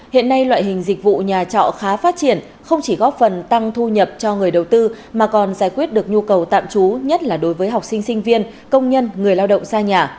hiện nay loại hình dịch vụ nhà trọ khá phát triển không chỉ góp phần tăng thu nhập cho người đầu tư mà còn giải quyết được nhu cầu tạm trú nhất là đối với học sinh sinh viên công nhân người lao động xa nhà